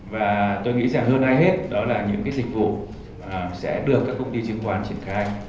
và tôi nghĩ rằng hơn ai hết đó là những cái dịch vụ sẽ được các công ty chứng khoán triển khai